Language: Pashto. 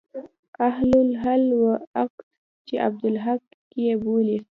اهل حل و عقد چې عبدالحق يې بولي.